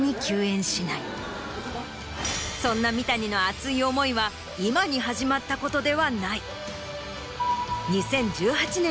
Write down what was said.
そんな三谷の熱い思いは今に始まったことではない。